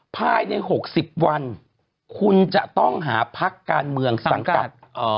ภายใน๖๐วันคุณจะต้องหาพักการเมืองสังกัด